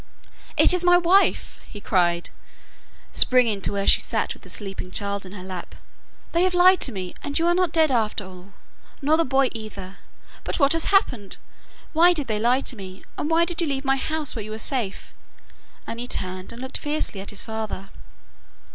'It is my wife,' he cried, springing to where she sat with the sleeping child in her lap. 'They have lied to me, and you are not dead after all, nor the boy either! But what has happened? Why did they lie to me? and why did you leave my house where you were safe?' And he turned and looked fiercely at his father.